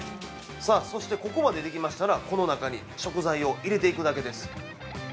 さあ、そしてここまでできましたら、この中に食材を入れていくだけです。